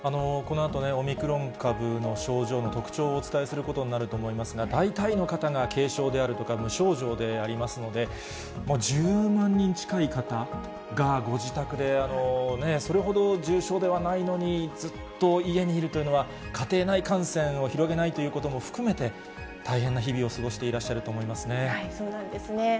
このあとね、オミクロン株の症状の特徴をお伝えすることになると思いますが、大体の方が軽症であるとか、無症状でありますので、１０万人近い方がご自宅でそれほど重症ではないのに、ずっと家にいるというのは、家庭内感染を広げないということも含めて、大変な日々を過ごしていらしていると思いますね。